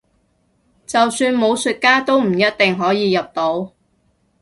就算武術家都唔一定可以入到